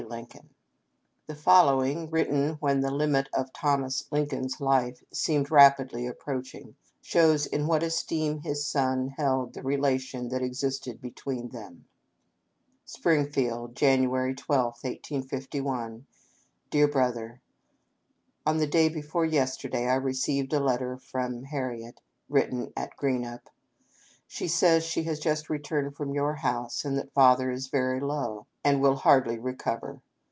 Lincoln." 6l6 APPENDIX. The following, written when the limit of Thomas Lincoln's life seemed rapidly approaching, shows in what esteem his son held the relation that existed between them : "Springfield, Jan'y 12, 1851. " Dear Brother :" On the day before yesterday I received a letter from Har riett, written at Greenup. She says she has just returned from your house ; and that Father is very low, and will hardly re cover.